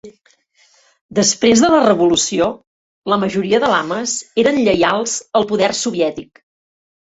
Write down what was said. Després de la Revolució, la majoria de lames eren lleials al poder soviètic.